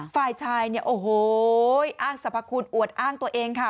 ฝ่ายชายเนี่ยโอ้โหอ้างสรรพคุณอวดอ้างตัวเองค่ะ